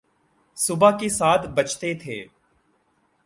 صبح کے سات بجتے تھے۔